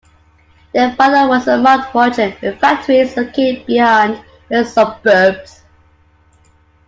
Their father was a malt merchant with factories located beyond Prague's suburbs.